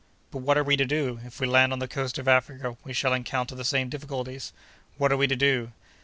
"But what are we to do? If we land on the coast of Africa, we shall encounter the same difficulties. What are we to do?"